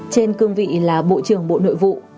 trên cương vị là bộ trưởng bộ nội vụ